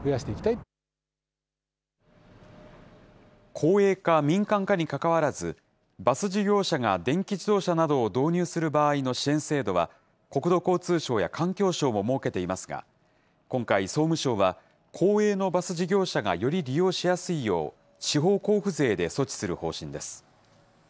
公営か民間かにかかわらず、バス事業者が電気自動車などを導入する場合の支援制度は国土交通省や環境省も設けていますが、今回、総務省は、公営のバス事業者がより利用しやすいよう、地方交付税で措置する方針です。